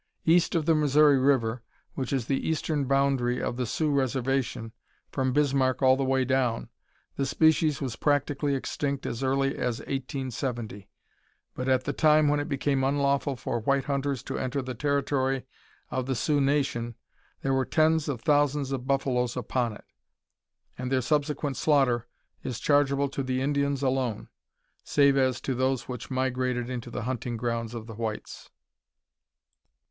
East of the Missouri River, which is the eastern boundary of the Sioux Reservation, from Bismarck all the way down, the species was practically extinct as early as 1870. But at the time when it became unlawful for white hunters to enter the territory of the Sioux nation there were tens of thousands of buffaloes upon it, and their subsequent slaughter is chargeable to the Indians alone, save as to those which migrated into the hunting grounds of the whites.